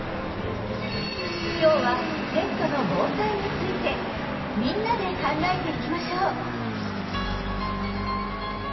今日はペットの防災についてみんなで考えていきましょう！